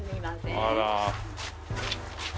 あら。